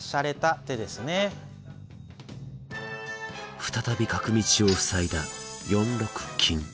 再び角道を塞いだ４六金。